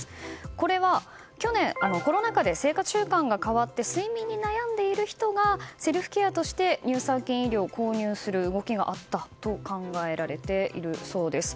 これは去年、コロナ禍で生活習慣が変わって睡眠に悩んでいる人がセルフケアとして乳酸菌飲料を購入する動きがあったと考えられているそうです。